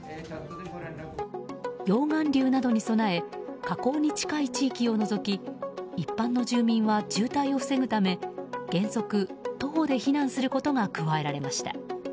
溶岩流などに備え火口に近い地域を除き一般の住民は、渋滞を防ぐため原則、徒歩で避難することが加えられました。